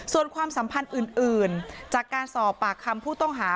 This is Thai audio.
ส่วนความสัมพันธ์อื่นจากการสอบปากคำผู้ต้องหา